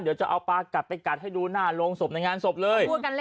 เดี๋ยวจะเอาปลากัดไปกัดให้ดูหน้าโรงศพในงานศพเลย